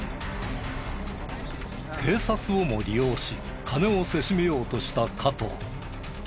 警察をも利用し金をせしめようとした加藤。